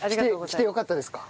来てよかったですか？